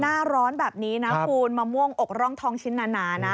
หน้าร้อนแบบนี้นะคุณมะม่วงอกร่องทองชิ้นหนานะ